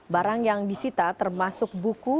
barang yang disita termasuk buku